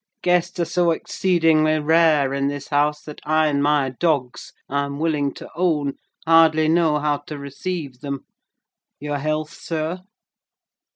Guests are so exceedingly rare in this house that I and my dogs, I am willing to own, hardly know how to receive them. Your health, sir?"